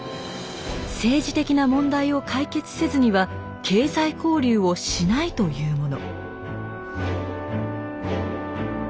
政治的な問題を解決せずには経済交流をしないというもの。